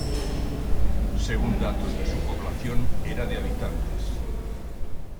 Según datos de su población era de habitantes.